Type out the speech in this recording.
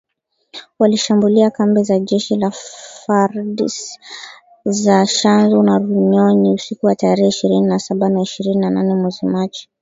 Walishambulia kambi za jeshi la FARDC za Tchanzu na Runyonyi, usiku wa tarehe ishirini na saba na ishirini na nane mwezi Machi